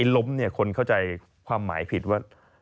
ล้มเนี่ยคนเข้าใจความหมายผิดว่า